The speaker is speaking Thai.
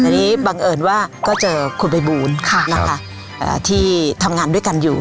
อันนี้บังเอิญว่าก็เจอคุณภัยบูลที่ทำงานด้วยกันอยู่